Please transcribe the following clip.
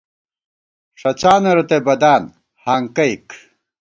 ݭڅانہ رتئ بَدان (ہانکَئیک)